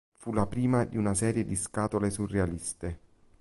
Fu la prima di una serie di scatole surrealiste.